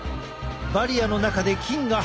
バリアの中で菌が繁殖。